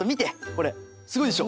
これすごいでしょ。